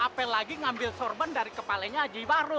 apel lagi ngambil sorban dari kepalanya haji baru